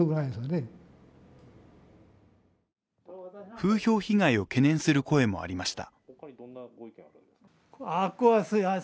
風評被害を懸念する声もありました。